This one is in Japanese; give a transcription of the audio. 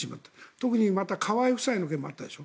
特にまた河井夫妻の件もあったでしょ。